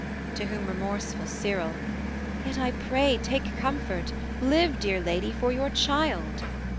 To whom remorseful Cyril, 'Yet I pray Take comfort: live, dear lady, for your child!'